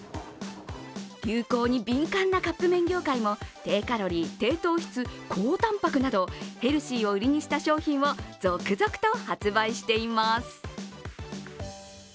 流行に敏感なカップ麺業界も低カロリー、低糖質高タンパクなど、ヘルシーを売りにした商品を続々と発売しています。